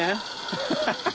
ハハハハ！